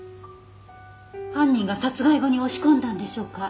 犯人が殺害後に押し込んだんでしょうか？